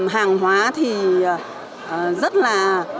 hàng hóa thì rất là